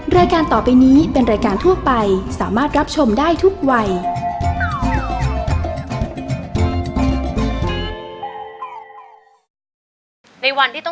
รายการต่อไปนี้เป็นรายการทั่วไปสามารถรับชมได้ทุกวัย